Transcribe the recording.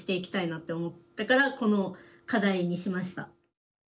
なって思ったからこの課題にしました。